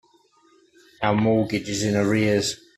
Our mortgage is in arrears.